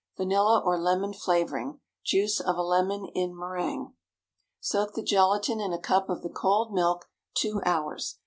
Vanilla or lemon flavoring. Juice of a lemon in méringue. Soak the gelatine in a cup of the cold milk two hours.